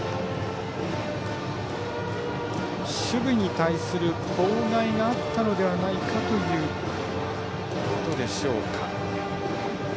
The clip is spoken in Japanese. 守備に対する妨害があったのではないかということでしょうか。